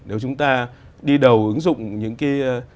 nếu chúng ta đi đầu ứng dụng những cái